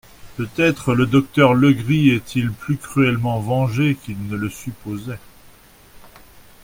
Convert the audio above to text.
Peut-être le docteur Legris était-il plus cruellement vengé qu'il ne le supposait.